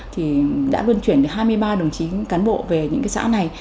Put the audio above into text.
thì đã luôn chuyển đến hai mươi ba đồng chí cán bộ về những cái xã này